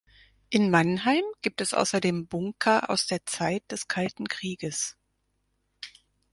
In Mannheim gibt es außerdem Bunker aus der Zeit des Kalten Krieges.